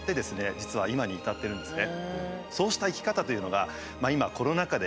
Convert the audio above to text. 実は今に至ってるんですね。